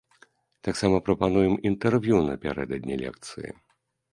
Таксама прапануем інтэрв'ю напярэдадні лекцыі.